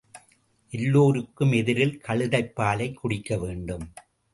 எல்லோருக்கும் எதிரில் கழுதைப் பாலைக் குடிக்கவேண்டும்.